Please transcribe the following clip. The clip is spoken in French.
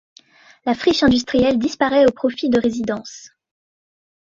La friche industrielle disparaît au profit de résidences.